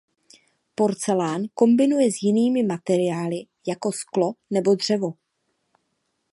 Porcelán kombinuje s jinými materiály jako sklo nebo dřevo.